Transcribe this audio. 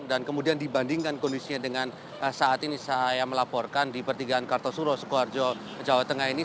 dan kemudian dibandingkan kondisinya dengan saat ini saya melaporkan di pertigaan kartasura sukoharjo jawa tengah ini